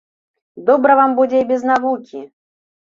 Добра вам будзе і без навукі!